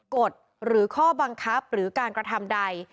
กฎหรือข้อบังคับหรือการกระทำใด